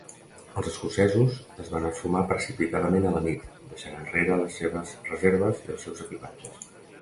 Els escocesos es van esfumar precipitadament a la nit, deixant enrere les seves reserves i els seus equipatges.